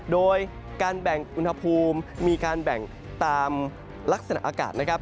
โดยการแบ่งอุณหภูมิมีการแบ่งตามลักษณะอากาศนะครับ